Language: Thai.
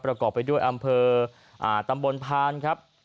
ประกอบไปด้วยอำเภอตำบลพานครับ